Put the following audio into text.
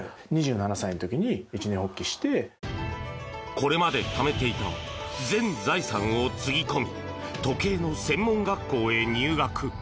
これまでためていた全財産をつぎ込み時計の専門学校へ入学。